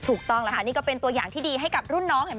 ถูกต้องแล้วค่ะนี่ก็เป็นตัวอย่างที่ดีให้กับรุ่นน้องเห็นไหม